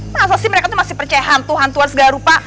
masa sih mereka masih percaya hantu hantu waris garupa